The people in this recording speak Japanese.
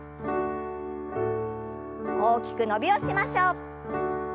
大きく伸びをしましょう。